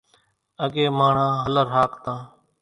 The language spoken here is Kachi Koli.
اڳيَ ماڻۿان هلر هاڪتان۔